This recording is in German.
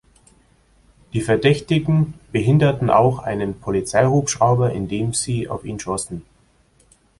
Die Verdächtigen behinderten auch einen Polizeihubschrauber, indem sie auf ihn schossen.